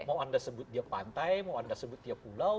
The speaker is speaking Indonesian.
mau anda sebut dia pantai mau anda sebut dia pulau